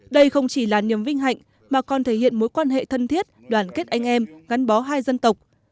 đây không chỉ là niềm vinh hạnh mà còn thể hiện mối quan hệ thân thiết đoàn kết anh em gắn bó hai dân tộc